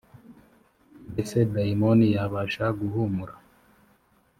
mbese dayimoni yabasha guhumura